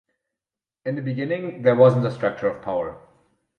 In the beginning, there wasn't a structure of power.